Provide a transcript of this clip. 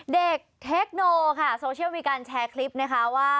เทคโนค่ะโซเชียลมีการแชร์คลิปนะคะว่า